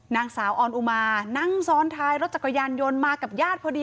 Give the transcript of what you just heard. นางสาวออนอุมานั่งซ้อนท้ายรถจักรยานยนต์มากับญาติพอดี